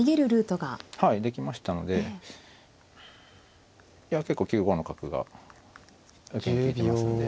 はいできましたので結構９五の角が受けに利いてますんで。